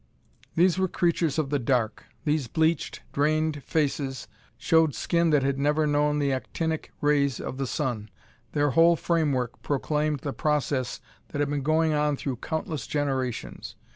These were creatures of the dark. These bleached, drained faces showed skin that had never known the actinic rays of the sun; their whole framework proclaimed the process that had been going on through countless generations.